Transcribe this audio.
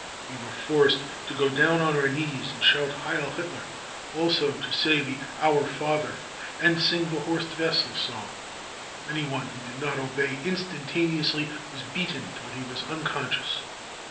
We were forced to go down on our knees and sheut 4 Heil Hitler, 9 also to say the 4 Our Father 9 and sing th% Horst Wessel song. Anyone who did not obey instantaneously was beaten till he was unconscious.